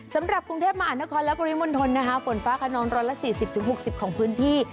สำหรับกรุงเทพมาอาณาคตและบริมณฑลนะคะฝนฟ้าคนนร้อยละ๔๐๖๐ของพื้นที่